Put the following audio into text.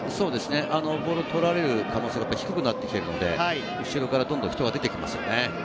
ボールを取られる可能性が低くなってきているので、後ろからどんどん人が出てきますね。